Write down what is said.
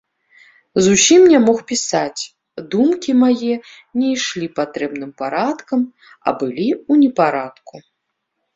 Зусім не мог пісаць, думкі мае не ішлі патрэбным парадкам, а былі ў непарадку.